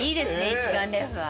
一眼レフは。